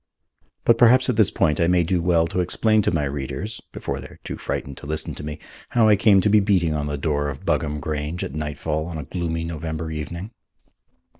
But perhaps at this point I may do well to explain to my readers (before they are too frightened to listen to me) how I came to be beating on the door of Buggam Grange at nightfall on a gloomy November evening.